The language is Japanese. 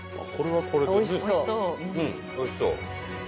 うんおいしそう。